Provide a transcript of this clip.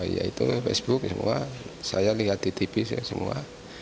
ya itu facebook semua saya lihat di tv semua